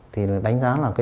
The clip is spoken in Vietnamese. thì đánh giá là